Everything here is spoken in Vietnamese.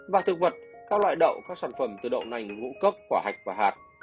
và thực vật các loại đậu các sản phẩm từ đậu nành ngũ cốc quả hạch và hạt